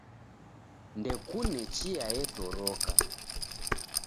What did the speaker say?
Ndekune chia etoroka.